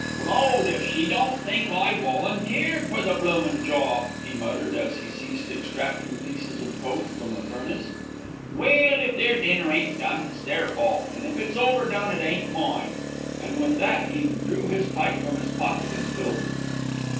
"Blowed if she don't think I volunteered for the bloomin' job," he muttered, as he ceased extracting pieces of coke from the furnace. "Well, if their dinner ain't done it's their fault, an' if it's overdone it ain't mine," and with that he drew his pipe from his pocket and filled it.